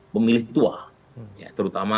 pemilik tua terutama